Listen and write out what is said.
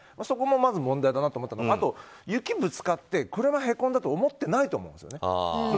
そこもまず問題だなと思ったのとあと雪ぶつかって車へこんだと思ってないと思うんです。